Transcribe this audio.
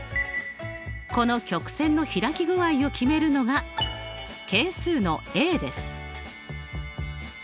この曲線の開き具合を決めるのが係数のです。